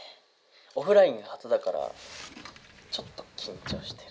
「オフライン初だからちょっと緊張してる」